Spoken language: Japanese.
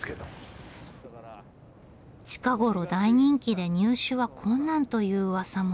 近ごろ大人気で入手は困難といううわさも。